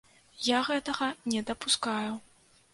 Я гэтага не дапускаю.